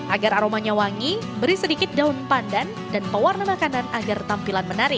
agar aromanya wangi beri sedikit daun pandan dan pewarna makanan agar tampilan menarik